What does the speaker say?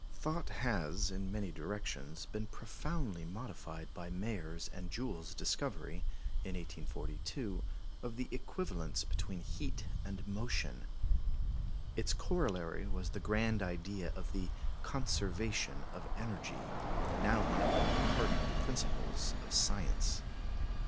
Thought has, in many directions, been profoundly modified by Mayer's and Joule's discovery, in 1842, of the equivalence between heat and motion. Its corollary was the grand idea of the "conservation of energy," now one of the cardinal principles of science.